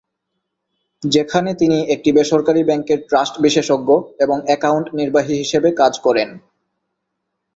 যেখানে তিনি একটি বেসরকারি ব্যাংকের ট্রাস্ট বিশেষজ্ঞ এবং অ্যাকাউন্ট নির্বাহী হিসেবে কাজ করেন।